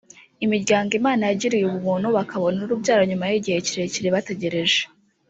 Imiryango Imana yagiriye ubuntu bakabona urubyaro nyuma y’igihe kirekire bategereje